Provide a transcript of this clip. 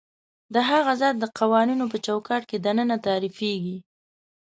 د هغه ذات د قوانینو په چوکاټ کې دننه تعریفېږي.